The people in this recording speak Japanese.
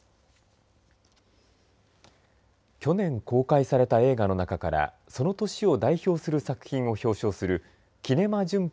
去年公開された映画の中からその年を代表する作品を表彰するキネマ旬報